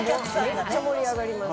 めっちゃ盛り上がります。